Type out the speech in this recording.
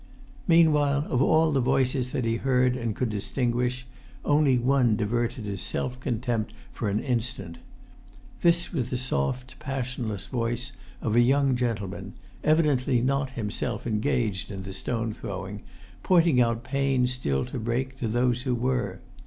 Meanwhile, of all the voices that he heard and could distinguish, only one diverted his self contempt for an instant. This was the soft, passionless voice of a young gentleman, evidently not himself engaged in the stone throwing, pointing out panes still to break to those who were.